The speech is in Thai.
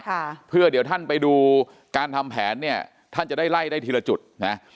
ค่ะเพื่อเดี๋ยวท่านไปดูการทำแผนเนี่ยท่านจะได้ไล่ได้ทีละจุดนะ